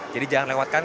jadi jangan lewatkan